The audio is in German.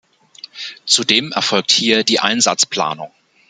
Zudem erfolgt hier die Einsatzplanung.